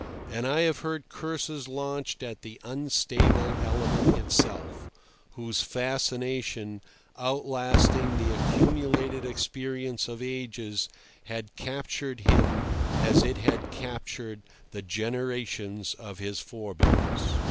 And I have heard curses launched at the unstable element itself, whose fascination, outlasting the accumulated experience of ages, had captured him as it had captured the generations of his forebears.